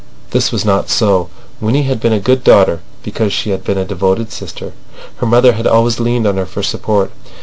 This was not so. Winnie had been a good daughter because she had been a devoted sister. Her mother had always leaned on her for support.